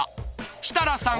設楽さん